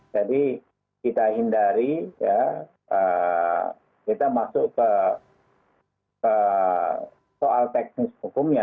jadi kita hindari kita masuk ke soal teknis hukumnya